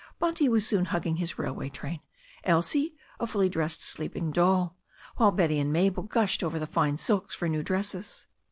Bunty was soon hugging his railway train, Elsie, a fully dressed sleep ing doll, while Betty and Mabel gushed over fine silks for* new dresses.